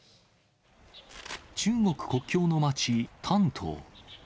中国国境の町、丹東。